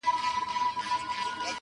o څه لاس تر منځ، څه غر تر منځ!